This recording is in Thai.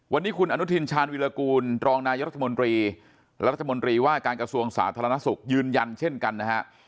วันนี้คุณอนุทินชาญวิรากูลรองนายรัฐมนตรีและรัฐมนตรีว่าการกระทรวงสาธารณสุขยืนยันเช่นกันนะฮะ